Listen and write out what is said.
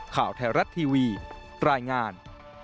ข่าวไทยรัฐทีวีรายงาน